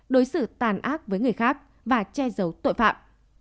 đối xử tàn ác với người khác và che giấu tội phạm